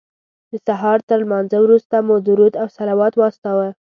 د سهار تر لمانځه وروسته مو درود او صلوات واستاوه.